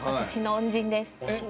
私の恩人です。